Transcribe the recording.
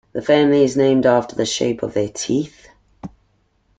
The family is named after the shape of their teeth.